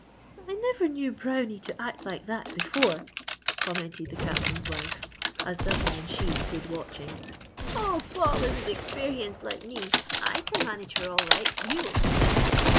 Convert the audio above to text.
"I never knew Brownie to act like that before," commented the Captain's wife, as Dudley and she stood watching. "Oh, Paul isn't experienced like me! I can manage her all right, you will see!"